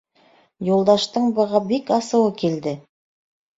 Юлдаштың быға бик асыуы килде.